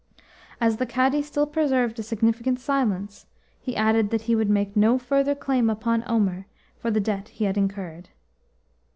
As the Cadi still preserved a significant silence, he added that he would make no further claim upon Omer for the debt he had incurred.